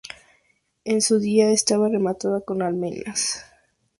En su día estaba rematada con almenas.